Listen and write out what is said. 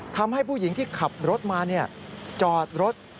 ทำให้ผู้หญิงที่ขับรถมาจอดรถ